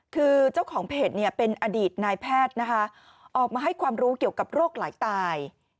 คือเจ้าของเพจเนี่ยเป็นอดีตนายแพทย์นะคะออกมาให้ความรู้เกี่ยวกับโรคไหลตาย